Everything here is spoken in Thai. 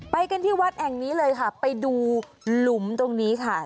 ไปกันที่วัดแห่งนี้เลยค่ะไปดูหลุมตรงนี้ค่ะ